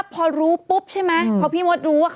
ทุกคนดีไม่ดูเลยเหรอ